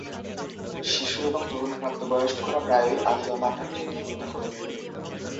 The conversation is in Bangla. শিশু এবং তরুণ প্রাপ্তবয়স্করা প্রায়ই আল্লোমাটার যত্ন প্রদান করে থাকে।